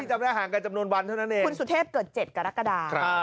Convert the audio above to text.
จำได้ห่างกันจำนวนวันเท่านั้นเองคุณสุเทพเกิด๗กรกฎา